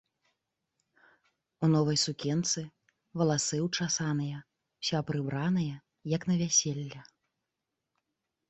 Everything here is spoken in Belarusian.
У новай сукенцы, валасы ўчасаныя, уся прыбраная, як на вяселле.